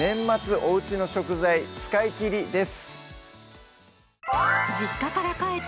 おうちの食材使い切り」です